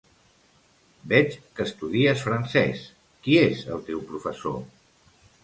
Veig que estudies francès; qui és el teu professor?